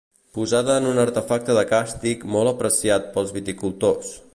Posada en un artefacte de càstig molt apreciat pels viticultors.